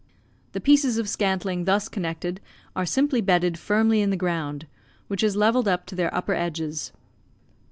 The pieces of scantling thus connected are simply bedded firmly in the ground, which is levelled up to their upper edges.